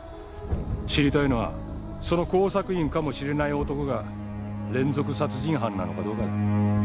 知りたいのはその工作員かもしれない男が連続殺人犯なのかどうかだ。